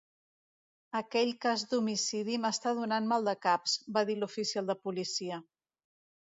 "Aquell cas d'homicidi m'està donant maldecaps", va dir l'oficial de policia.